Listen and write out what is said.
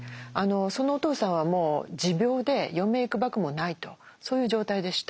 そのお父さんはもう持病で余命いくばくもないとそういう状態でした。